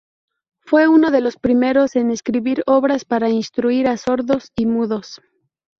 Fue uno de los primeros en escribir obras para instruir a sordos y mudos.